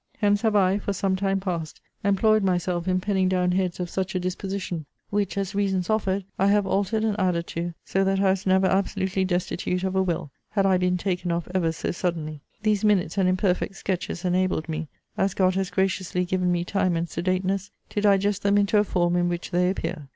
Hence have I, for some time past, employed myself in penning down heads of such a disposition; which, as reasons offered, I have altered and added to, so that I was never absolutely destitute of a will, had I been taken off ever so suddenly. These minutes and imperfect sketches enabled me, as God has graciously given me time and sedateness, to digest them into the form in which they appear.'